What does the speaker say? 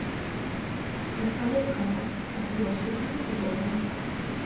დასავლეთ კალთა ციცაბოა, ზოგან კლდოვანი.